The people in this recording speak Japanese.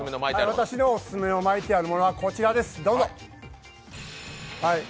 私のオススメの巻いてあるものは、こちらです、どうぞ。